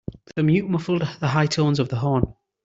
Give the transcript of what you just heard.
The mute muffled the high tones of the horn.